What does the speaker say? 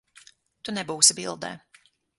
Tu nebūsi bildē.